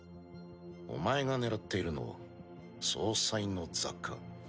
お前が狙っているのは総裁の座か？